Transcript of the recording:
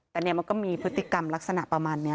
แต่เนี่ยมันก็มีพฤติกรรมลักษณะประมาณนี้